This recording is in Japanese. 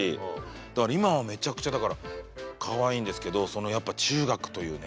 だから今はめちゃくちゃだからかわいいんですけどやっぱ中学というね。